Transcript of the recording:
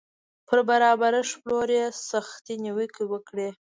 پر برابرښت پلور یې سختې نیوکې وکړې